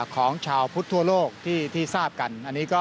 ของชาวพุทธทั่วโลกที่ทราบกัน